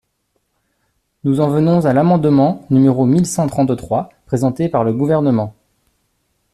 Nous en venons à l’amendement numéro mille cent trente-trois présenté par le Gouvernement.